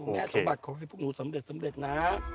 แม่สมบัติขอให้พวกหนูสำเร็จนะ